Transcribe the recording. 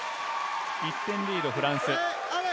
１点リード、フランス。